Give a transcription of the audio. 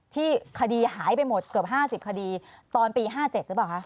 ที่คดีหายไปหมดเกือบ๕๐คดีตอนปี๕๗หรือเปล่าคะ